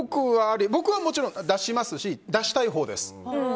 僕はもちろん出しますし出したいほうです。